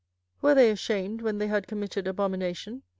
24:006:015 Were they ashamed when they had committed abomination?